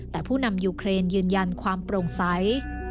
แต่ผู้นำยูเครนยืนยันความโปร่งใส